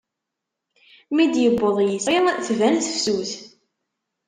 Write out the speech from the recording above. Mi d-iwweḍ yisɣi, tban tefsut.